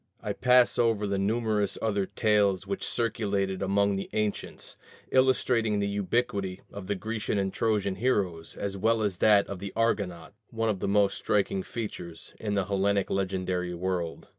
I pass over the numerous other tales which circulated among the ancients, illustrating the ubiquity of the Grecian and Trojan heroes as well as that of the Argonauts one of the most striking features in the Hellenic legendary world.